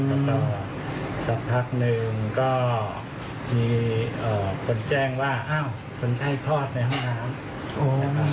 แล้วก็สักพักหนึ่งก็มีคนแจ้งว่าอ้าวคนไข้ทอดในห้องน้ำ